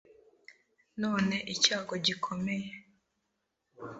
none icyago gikomeye